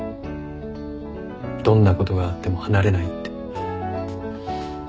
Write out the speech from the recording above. どんなことがあっても離れないって。